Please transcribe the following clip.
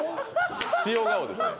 塩顔ですね。